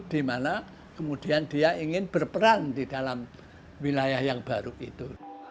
dimana kemudian dia ingin berperan di dalam wilayah yang baru itu